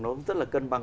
nó cũng rất là cân bằng